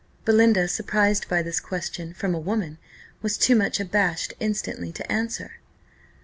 Belinda, surprised by this question from a woman, was too much abashed instantly to answer.